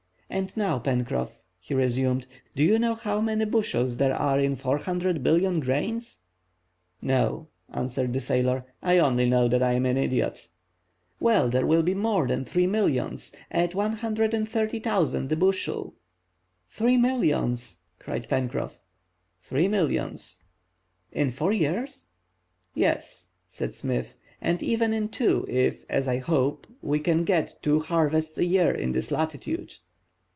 And now, Pencroff," he resumed, "do you know how many bushels there are in 400,000,000,000 grains?" "No," answered the sailor, "I only know that I am an idiot!" "Well, there will be more than 3,000,000, at 130,000 the bushel!" "Three millions!" cried Pencroff. "Three millions." "In four years?" "Yes," said Smith, "and even in two, if, as I hope, we can get two harvests a year in this latitude."